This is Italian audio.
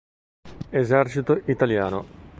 Esercito italiano.